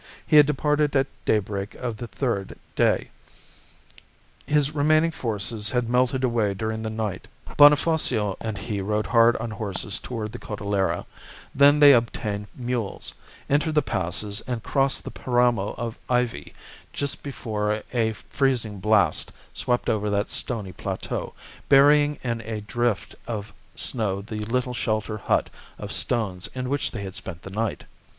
He had departed at daybreak of the third day. His remaining forces had melted away during the night. Bonifacio and he rode hard on horses towards the Cordillera; then they obtained mules, entered the passes, and crossed the Paramo of Ivie just before a freezing blast swept over that stony plateau, burying in a drift of snow the little shelter hut of stones in which they had spent the night.